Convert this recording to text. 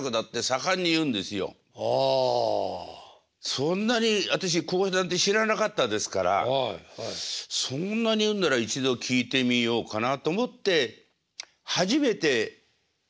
そんなに私講談って知らなかったですからそんなに言うんなら一度聴いてみようかなと思って初めて寄席に行ったんです。